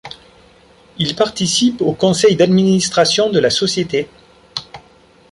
Il participe au conseil d'administration de la société.